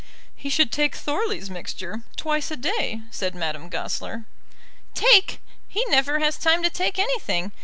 "He should take Thorley's mixture, twice a day," said Madame Goesler. "Take! he never has time to take anything.